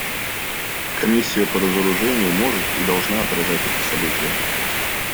Комиссия по разоружению может и должна отражать эти события.